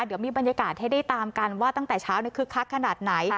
เดี๋ยวมีบรรยากาศให้ได้ตามกันว่าตั้งแต่เช้าคึกคักขนาดไหน